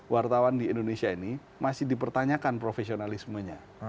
wartawan di indonesia ini masih dipertanyakan profesionalismenya